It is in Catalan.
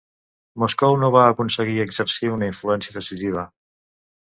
Moscou no va aconseguir exercir una influència decisiva.